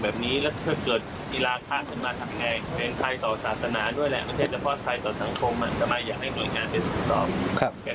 ทำให้หลักทำมันผิดเพียงไปหมดนะคะค่ะค่ะค่ะค่ะค่ะค่ะ